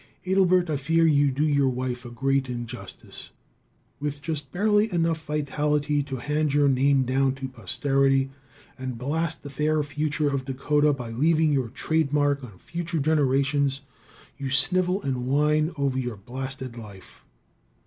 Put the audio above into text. Adelbert, I fear you do your wife a great injustice. With just barely enough vitality to hand your name down to posterity and blast the fair future of Dakota by leaving your trade mark on future generations, you snivel and whine over your blasted life!